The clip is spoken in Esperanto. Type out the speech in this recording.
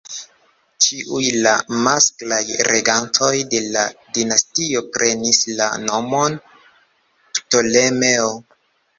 Ĉiuj la masklaj regantoj de la dinastio prenis la nomon Ptolemeo.